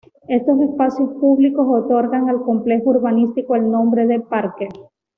Estos espacios públicos otorgan al complejo urbanístico el nombre de "Parque".